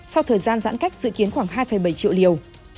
sau thời gian giãn cách dự kiến khoảng hai bảy triệu liều